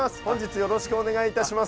よろしくお願いします。